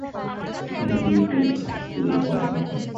এখানে তিনি Madison high স্কুলে পড়াশোনা করেন।